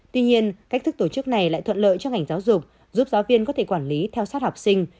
tuy nhiên cách thức tổ chức này lại thuận lợi cho ngành giáo dục giúp giáo viên có thể quản lý theo sát học sinh